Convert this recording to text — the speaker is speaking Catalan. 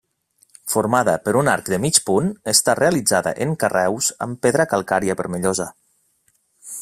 Formada per un arc de mig punt, està realitzada en carreus amb pedra calcària vermellosa.